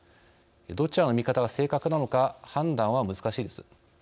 どちらの見方が正確なのか判断は難しいです。